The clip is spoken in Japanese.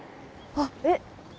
あっえっ